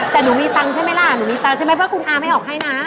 แต่หนูมีตังค์ใช่ไหมล่ะหนูมีตังค์ใช่ไหมเพราะคุณอาไม่ออกให้นะ